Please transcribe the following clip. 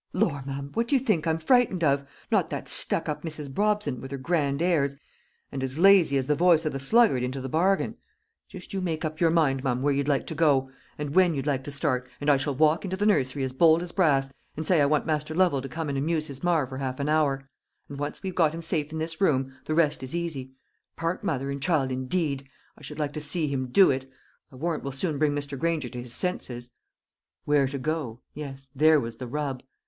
"Lor, ma'am, what do you think I'm frightened of? Not that stuck up Mrs. Brobson, with her grand airs, and as lazy as the voice of the sluggard into the bargain. Just you make up your mind, mum, where you'd like to go, and when you'd like to start, and I shall walk into the nursery as bold as brass, and say I want Master Lovel to come and amuse his mar for half an hour; and once we've got him safe in this room, the rest is easy. Part mother and child indeed! I should like to see him do it! I warrant we'll soon bring Mr. Granger to his senses." Where to go? yes, there was the rub.